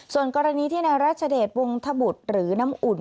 ส่วนกรณีที่นายรัชเดชวงธบุตรหรือน้ำอุ่น